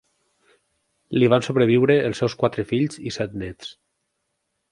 Li van sobreviure els seus quatre fills i set nets.